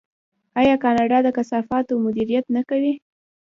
آیا کاناډا د کثافاتو مدیریت نه کوي؟